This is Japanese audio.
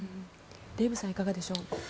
デーブさんいかがでしょう。